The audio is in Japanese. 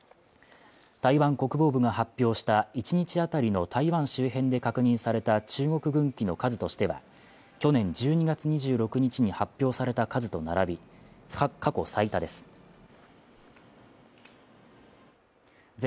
台湾国防部が発表した一日当たりの台湾周辺で確認された中国軍機の数としては、去年１２月２６日に発表された数と並び過去最多とみられます。